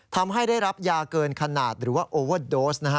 ทำให้ได้รับยาเกินขนาดหรือว่าโอเวอร์โดสนะฮะ